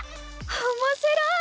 おもしろい！